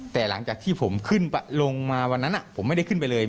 แต่หลังจากที่ผมขึ้นลงมาวันนั้นผมไม่ได้ขึ้นไปเลย